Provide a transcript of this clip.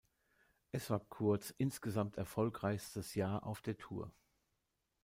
Es war Courts insgesamt erfolgreichstes Jahr auf der Tour.